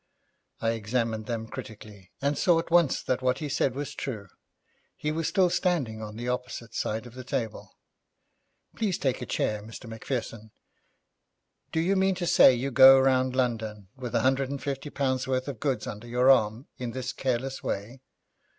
I examined them critically, and saw at once that what he said was true. He was still standing on the opposite side of the table. 'Please take a chair, Mr. Macpherson. Do you mean to say you go round London with a hundred and fifty pounds worth of goods under your arm in this careless way?'